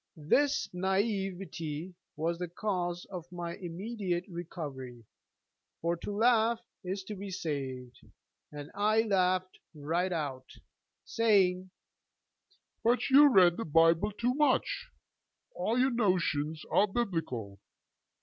This naïveté was the cause of my immediate recovery: for to laugh is to be saved: and I laughed right out, saying: 'But you read the Bible too much! all your notions are biblical.